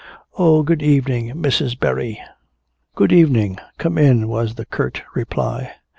"Oh. Good evening, Mrs. Berry." "Good evening. Come in," was the curt reply.